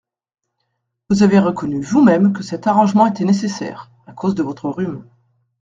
Vous avez reconnu vous-même que cet arrangement était nécessaire… à cause de votre rhume…